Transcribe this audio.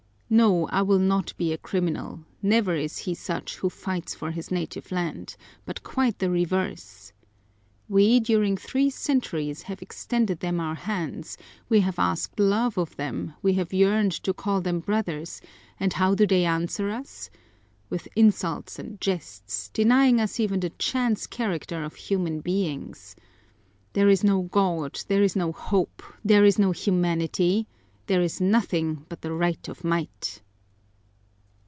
No, I will not be a criminal, never is he such who fights for his native land, but quite the reverse! We, during three centuries, have extended them our hands, we have asked love of them, we have yearned to call them brothers, and how do they answer us? With insults and jests, denying us even the chance character of human beings. There is no God, there is no hope, there is no humanity; there is nothing but the right of might!"